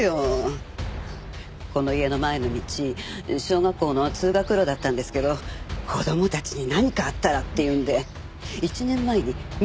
この家の前の道小学校の通学路だったんですけど子供たちに何かあったらっていうんで１年前に道変えたんですから。